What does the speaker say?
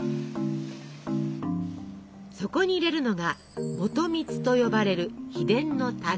そこに入れるのが「元蜜」と呼ばれる秘伝のタレ。